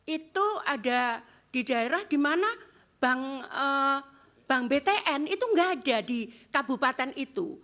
itu ada di daerah di mana bank btn itu nggak ada di kabupaten itu